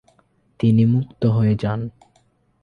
তিনি মুক্ত হয়ে যান।